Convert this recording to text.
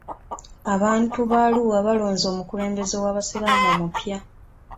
Abantu b' Arua balonze omukulembeze w'abasiraamu omupya.